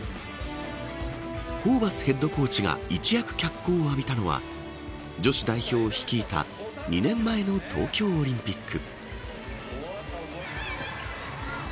ホーバスヘッドコーチが一躍脚光を浴びたのは女子代表を率いた２年前の東京オリンピック。